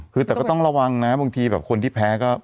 คือแต่ก็ต้องระวังนะบางทีแบบคนที่แพ้ก็